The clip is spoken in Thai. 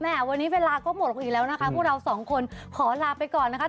วันนี้เวลาก็หมดลงอีกแล้วนะคะพวกเราสองคนขอลาไปก่อนนะคะ